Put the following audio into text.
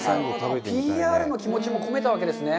なるほど、ＰＲの気持ちも込めたわけですね。